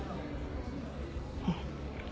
うん。